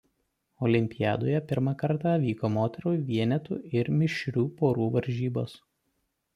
Olimpiadoje pirmą kartą vyko moterų vienetų ir mišrių porų varžybos.